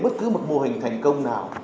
bất cứ một mô hình thành công nào